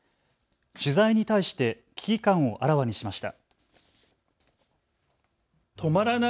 取材に対して危機感をあらわにしました。